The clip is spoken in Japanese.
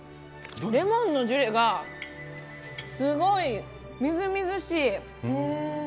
レモンのジュレがすごいみずみずしい。